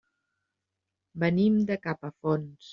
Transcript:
Venim de Capafonts.